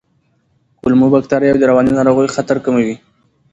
کولمو بکتریاوې د رواني ناروغیو خطر کموي.